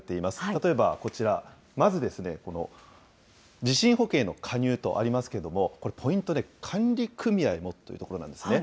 例えばこちら、まずですね、この地震保険への加入とありますけれども、ポイント、管理組合もというところなんですね。